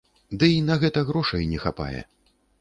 Ды й на гэта грошай не хапае.